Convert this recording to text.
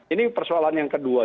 ini persoalan yang kedua